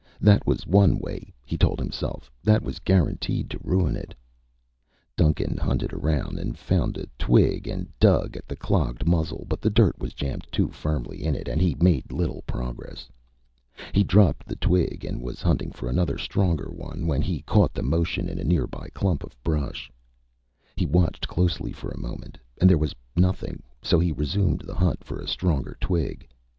That was one way, he told himself, that was guaranteed to ruin it. Duncan hunted around and found a twig and dug at the clogged muzzle, but the dirt was jammed too firmly in it and he made little progress. He dropped the twig and was hunting for another stronger one when he caught the motion in a nearby clump of brush. He watched closely for a moment and there was nothing, so he resumed the hunt for a stronger twig.